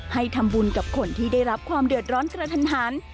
ให้ทำบุญกับคนที่ได้รับความเดือดร้อนกระทัน